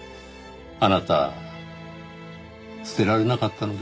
あなた捨てられなかったのでしょう？